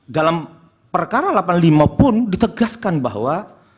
dalam perkara delapan puluh lima pun ditegaskan bahwa